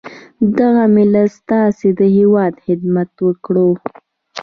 دغه ملت ستاسي د هیواد خدمت وکړو.